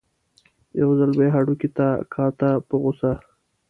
یو ځل به یې هډوکي ته کاته په غوسه.